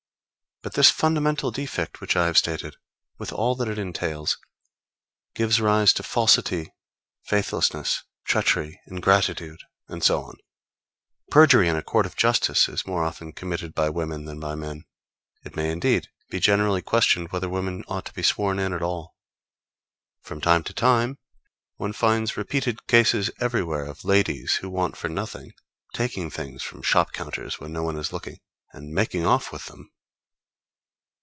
But this fundamental defect which I have stated, with all that it entails, gives rise to falsity, faithlessness, treachery, ingratitude, and so on. Perjury in a court of justice is more often committed by women than by men. It may, indeed, be generally questioned whether women ought to be sworn in at all. From time to time one finds repeated cases everywhere of ladies, who want for nothing, taking things from shop counters when no one is looking, and making off with them.